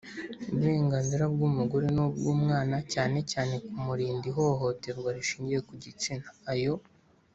Burenganzira bw umugore n ubw umwana cyane cyane kumurinda ihohoterwa rishingiye ku gitsina ayo